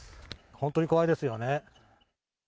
本当に怖いですよね。